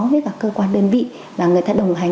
với các cơ quan đơn vị và người ta đồng hành